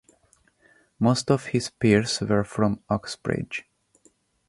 Most of his peers were from Oxbridge.